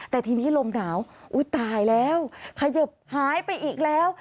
แต่ทีนี้ลมหนาวอุ้ยตายแล้วขยิบหายไปอีกแล้ว